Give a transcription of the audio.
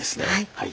はい。